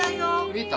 見た？